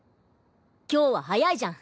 今日は早いじゃん。